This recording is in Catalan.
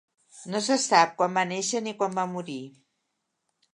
No se sap quan va néixer ni quan va morir.